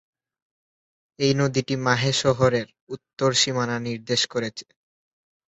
এই নদীটি মাহে শহরের উত্তর সীমানা নির্দেশ করেছে।